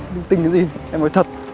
lưng tinh cái gì em ơi thật